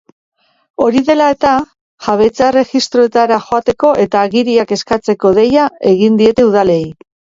Hori dela eta, jabetza-erregistroetara joateko eta agiriak eskatzeko deia egin diete udalei.